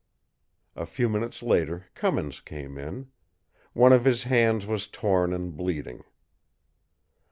A few minutes later Cummins came in. One of his hands was torn and bleeding.